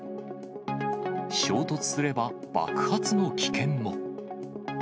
衝突すれば、爆発の危険も。